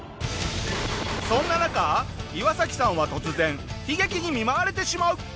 そんな中イワサキさんは突然悲劇に見舞われてしまう。